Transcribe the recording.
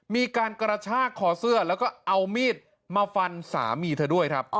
มีการกระชากคอเสื้อแล้วก็เอามีดมาฟันสามีเธอด้วยครับ